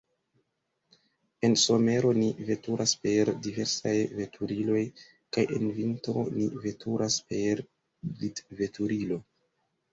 En somero ni veturas per diversaj veturiloj, kaj en vintro ni veturas per glitveturilo.